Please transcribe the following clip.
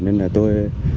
nên là tôi